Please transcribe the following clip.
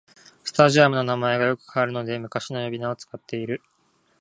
スタジアムの名前がよく変わるので昔の呼び名を使ってる